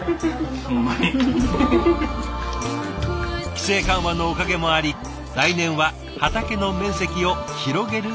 規制緩和のおかげもあり来年は畑の面積を広げる予定だとか。